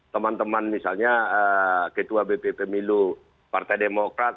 teman teman misalnya ketua bpp milu partai demokrat